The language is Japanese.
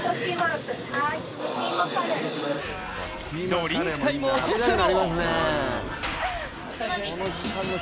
ドリンク隊も出動。